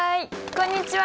こんにちは！